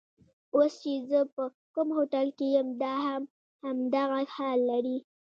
اوس چې زه په کوم هوټل کې یم دا هم همدغه حال لري.